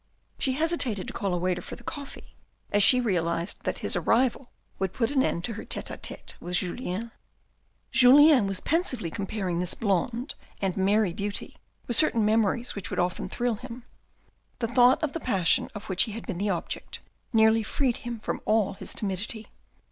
She hesitated to call a waiter for the coffee, as she realised that his arrival would put an end to her tete a tete with Jul en Julien was pensively comparing this blonde and merry beauty with certain memories which would often thrill him. The thought of the passion of which he had been the object, nearly freed him from all his timidity.